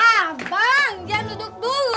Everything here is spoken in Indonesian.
abang jangan duduk dulu